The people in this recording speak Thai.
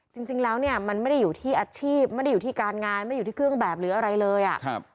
จริงแล้วเนี่ยมันไม่ได้อยู่ที่อาชีพไม่ได้อยู่ที่การงานไม่ได้อยู่ที่เครื่องแบบหรืออะไรเลยอ่ะครับ